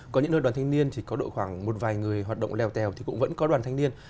có những nơi đoàn thanh niên chỉ có độ khoảng một vài người hoạt động leo tèo thì cũng vẫn có đoàn thanh niên